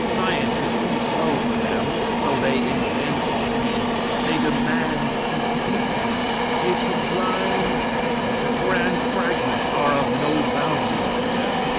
Science is too slow for them, and so they invent creeds. They demand completeness. A sublime segment, a grand fragment, are of no value to them.